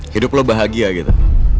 hidup lo bahagia gitu